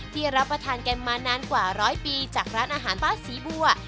รับประทานกันมานานกว่าร้อยปีจากร้านอาหารบ้านศรีบัว